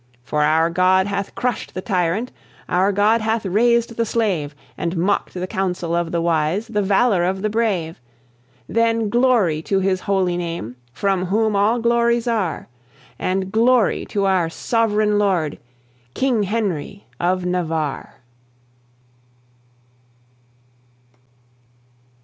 For our God hath crushed the tyrant, our God hath raised the slave, And mocked the counsel of the wise, the valour of the brave. Then glory to His holy name, from whom all glories are; And glory to our Sovereign Lord, King Henry of Navarre.